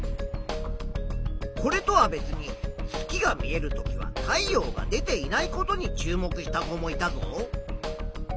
これとは別に月が見えるときは太陽が出ていないことに注目した子もいたぞ。